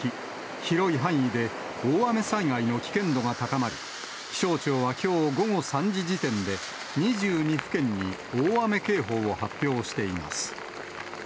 広い範囲で大雨災害の危険度が高まり、気象庁はきょう午後３時時点で、２２府県に大雨警報を発表しています。